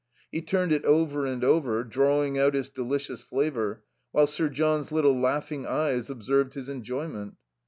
He turned it over and over, drawing out its delicious flavour, while Sir John's little laughing eyes observed his enjoyment.